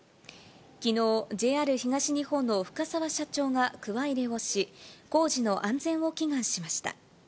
きのう、ＪＲ東日本の深澤社長がくわ入れをし、工事の安全を祈願しました。